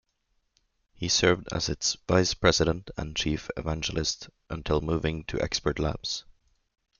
He served as its Vice President and Chief Evangelist until moving to Expert Labs.